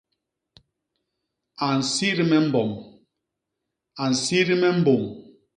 A nsit me mbom; a nsit me mbôñ.